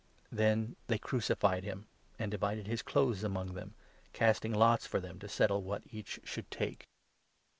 Then 24 they crucified him, and divided his clothes among them, casting lots for them, to settle what each should take.